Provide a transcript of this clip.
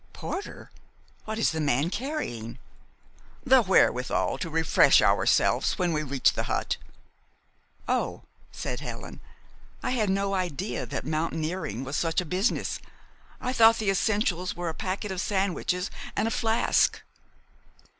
"Porter! What is the man carrying?" "The wherewithal to refresh ourselves when we reach the hut." "Oh," said Helen, "I had no idea that mountaineering was such a business. I thought the essentials were a packet of sandwiches and a flask."